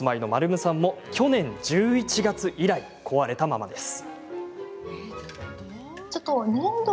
むさんも去年１１月以来壊れたままです。